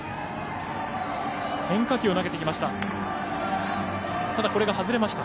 変化球を投げてきました。